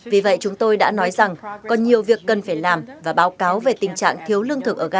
vì vậy chúng tôi đã nói rằng còn nhiều việc cần phải làm và báo cáo về tình trạng thiếu lương